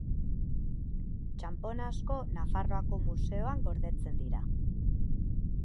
Txanpon asko Nafarroako museoan gordetzen dira.